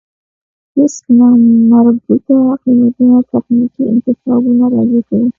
ريسک نامربوطه قېمتونه تخنيکي انتخابونو راجع کوو.